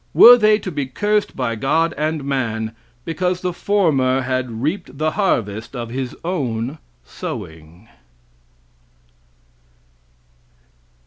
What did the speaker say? Were they to be cursed by God and man because the former had reaped the harvest of his own sowing?